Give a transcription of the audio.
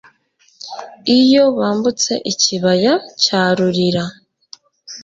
Iyo bambutse ikibaya cya Rurira